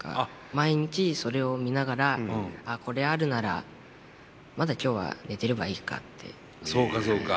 毎日それを見ながら「あこれあるならまだ今日は寝てればいいか」って。そうかそうか。